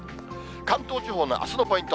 関東地方のあすのポイント。